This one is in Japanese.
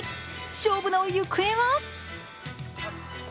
勝負の行方は。